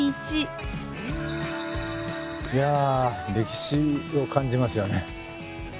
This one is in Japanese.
いや歴史を感じますよね。